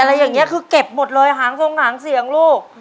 อะไรอย่างนี้คือเก็บหมดเลยหางทรงหางเสียงลูก